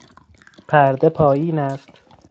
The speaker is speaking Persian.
پرده پایین است.